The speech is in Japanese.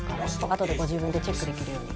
あとでご自分でチェックできるように。